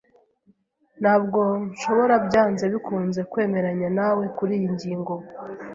Ntabwo nshobora byanze bikunze kwemeranya nawe kuriyi ngingo.